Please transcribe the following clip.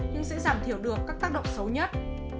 nhưng sẽ giảm thiểu được các tác động xấu nhất